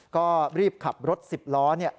ก็รีบขับรถ๑๐ล้อเนี่ย